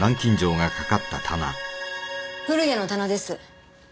古谷の棚です。